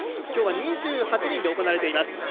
今日は２８人で行われています。